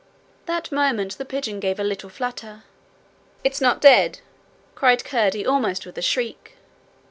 That moment the pigeon gave a little flutter. 'It's not dead!' cried Curdie, almost with a shriek.